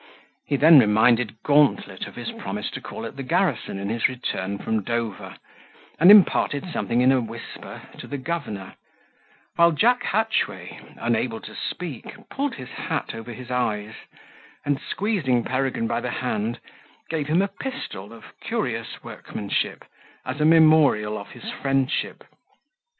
He then reminded Gauntlet of his promise to call at the garrison in his return from Dover, and imparted something in a whisper to the governor, while Jack Hatchway, unable to speak, pulled his hat over his eyes, and, squeezing Peregrine by the hand, gave him a pistol of curious workmanship, as a memorial of his friendship.